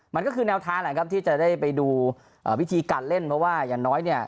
มันก็คือแนวทางแหละครับที่จะได้ไปดูวิธีการเล่นเพราะว่าอย่างน้อยเนี่ย